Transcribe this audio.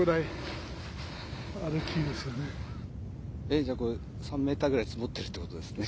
えっじゃあこれ３ｍぐらい積もってるってことですね。